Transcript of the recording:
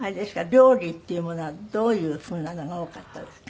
料理っていうものはどういうふうなのが多かったですか？